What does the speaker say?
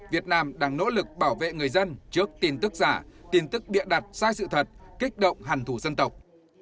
việt nam đang nỗ lực bảo vệ người dân trước tin tức giả tin tức bịa đặt sai sự thật kích động hành thủ dân tộc